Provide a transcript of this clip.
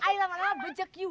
i lama lama bejek you